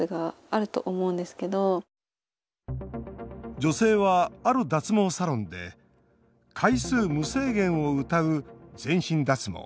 女性は、ある脱毛サロンで回数無制限をうたう全身脱毛